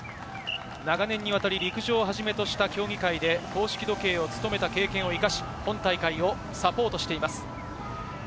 長年にわたり陸上をはじめとした競技会で公式時計を務めた経験を生かし、今大会をサポートしています。